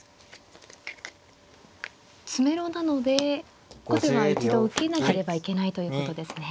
詰めろなので後手は一度受けなければいけないということですね。